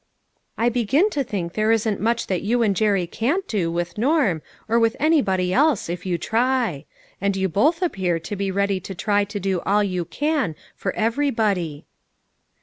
" I begin to think there isn't much that you and Jerry can't do, with Norm, or with anybody else, if you try ; and you both appear to be ready to try to do all you can for everybody."